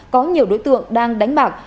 có nhiều đối tượng đang đánh bạc